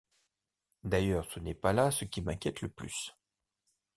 D’ailleurs, ce n’est pas là ce qui m’inquiète le plus.